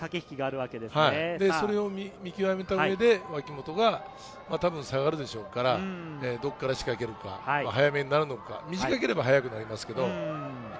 それを見極めた上で、たぶん下がるでしょうから、どこから仕掛けるか、早めになるのか、短ければ早いのはありますけど。